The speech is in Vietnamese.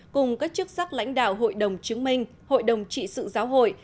cùng các chức sắc lãnh đạo hội đồng chứng minh hội đồng trị sự giáo hội